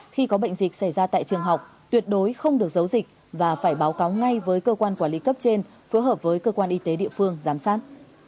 khi có bệnh dịch xảy ra tại trường học tuyệt đối không được giấu dịch và phải báo cáo ngay với cơ quan quản lý cấp trên phối hợp với cơ quan y tế địa phương giám sát